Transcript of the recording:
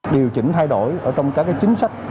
điều chỉnh thay đổi trong các chính sách